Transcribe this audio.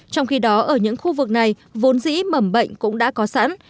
trong khi đó ở những khu vực này vốn dĩ mầm bệnh cũng đã có sẵn